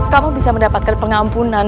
kamu bisa mendapatkan pengampunan